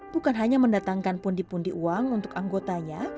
bukan hanya mendatangkan pundi pundi uang untuk anggotanya